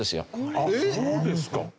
あっそうですか。